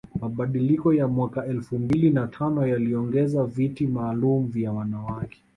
Mabadiliko ya mwaka elfu mbili na tano yaliongeza viti maalum vya wanawake